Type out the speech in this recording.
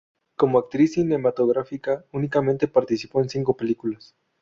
Como actriz cinematográfica únicamente participó en cinco películas.